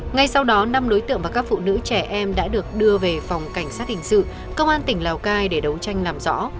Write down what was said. ngay sau đó năm đối tượng và các phụ nữ trẻ em đã được đưa về phòng cảnh sát hình sự công an tỉnh lào cai để đấu tranh làm rõ